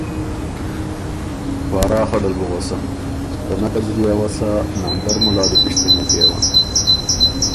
په اراخه دل بُو غؤسم، که نکت زلی اؤسا ناندر مُلا دی پِشتِنه کېون۔